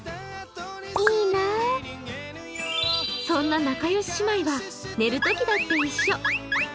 そんな仲良し姉妹は寝るときだって一緒。